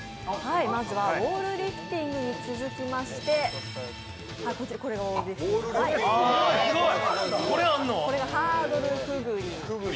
まずはウォールリフティングに続きましてこれがハードルくぐり。